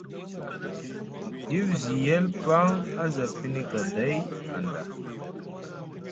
Dif zi yel paŋ a za pini gaday hanɗa.